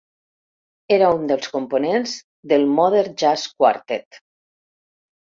Era un dels components del Modern Jazz Quartet.